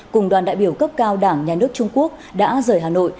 cùng đoàn đại biểu cấp cao đảng nhà nước trung quốc đã rời hà nội